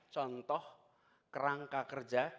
contoh kerangka kerja